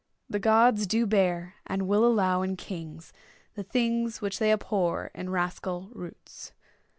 The gods do bear and will allow in kings The things which they abhor in rascal routes.